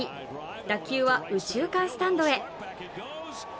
打球は右中間スタンドへ。